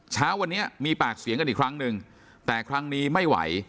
เช้าวันนี้มีปากเสียงกันอีกครั้งหนึ่งแต่ครั้งนี้ไม่ไหว